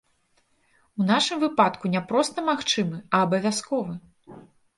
У нашым выпадку не проста магчымы, а абавязковы.